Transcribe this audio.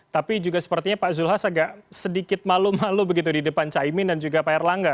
tapi juga sepertinya pak zulhas agak sedikit malu malu begitu di depan caimin dan juga pak erlangga